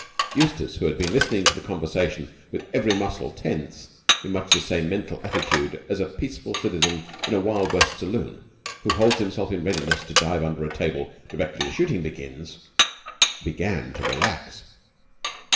Eustace, who had been listening to the conversation with every muscle tense, in much the same mental attitude as that of a peaceful citizen in a Wild West saloon who holds himself in readiness to dive under a table directly the shooting begins, began to relax.